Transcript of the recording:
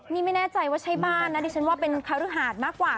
นี่ไม่แน่ใจว่าใช่บ้านนะดิฉันว่าเป็นคฤหาสมากกว่า